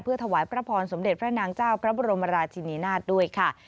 ถวายพระพรสมเด็จพระนางเจ้าพระบรมราชินินาศด้วยค่ะ